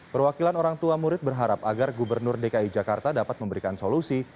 perwakilan orang tua murid berharap agar gubernur dki jakarta dapat memberikan solusi